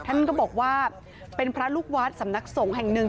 ท่านก็บอกว่าเป็นพระลูกวัดสำนักสงฆ์แห่งหนึ่ง